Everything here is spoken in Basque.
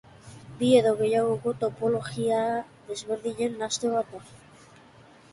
Bi edo gehiagoko topologia desberdinen nahasketa bat da.